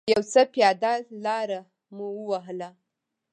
یو څه پیاده لاره مو و وهله.